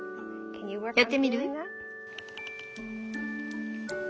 やってみる？